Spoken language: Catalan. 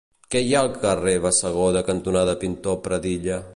Què hi ha al carrer Bassegoda cantonada Pintor Pradilla?